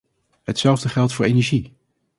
Hetzelfde geldt voor energie.